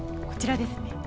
こちらですね。